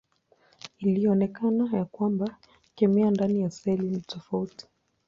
Ilionekana ya kwamba kemia ndani ya seli ni tofauti.